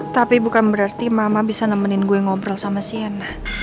tapi bukan berarti mama bisa nemenin gue ngobrol sama siana